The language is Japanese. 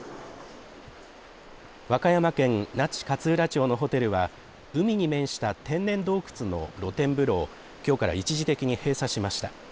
和歌山県那智勝浦町のホテルは海に面した天然洞窟の露天風呂をきょうから一時的に閉鎖しました。